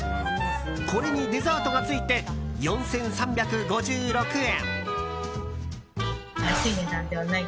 これにデザートがついて４３５６円。